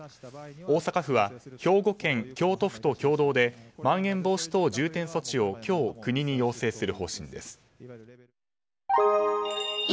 大阪府は、兵庫県、京都府と共同でまん延防止等重点措置を今日国に要請する方針です。